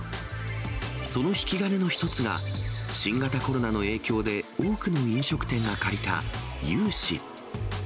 その引き金の一つが、新型コロナの影響で多くの飲食店が借りた融資。